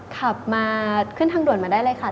ขับมาขึ้นทางด่วนมาได้เลยค่ะ